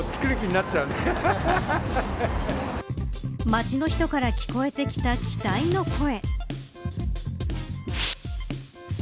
街の人から聞こえてきた期待の声。